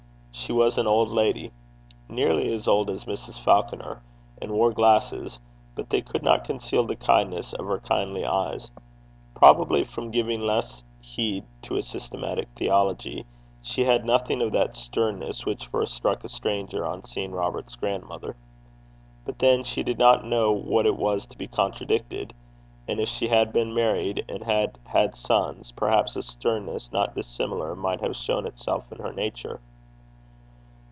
She was an old lady nearly as old as Mrs. Falconer and wore glasses, but they could not conceal the kindness of her kindly eyes. Probably from giving less heed to a systematic theology, she had nothing of that sternness which first struck a stranger on seeing Robert's grandmother. But then she did not know what it was to be contradicted; and if she had been married, and had had sons, perhaps a sternness not dissimilar might have shown itself in her nature.